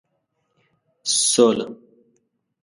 سوله